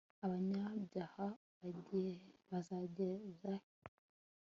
abanyabyaha bazagezahe